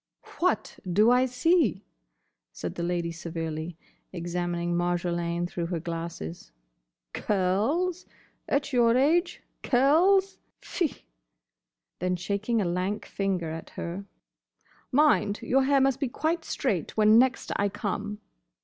"What do I see?" said the Lady severely, examining Marjolaine through her glasses. "Curls? At your age, curls? Fie!" Then shaking a lank finger at her, "Mind! your hair must be quite straight when next I come."